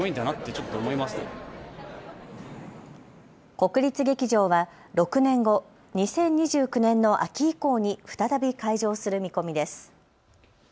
国立劇場は６年後、２０２９年の秋以降に再び開場する見込みです。